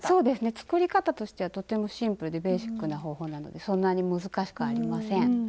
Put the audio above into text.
作り方としてはとてもシンプルでベーシックな方法なのでそんなに難しくありません。